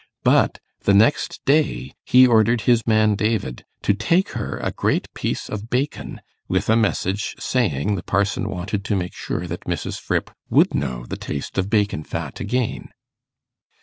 But the next day he ordered his man David to take her a great piece of bacon, with a message, saying, the parson wanted to make sure that Mrs. Fripp would know the taste of bacon fat again.